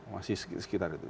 masih sekitar gitu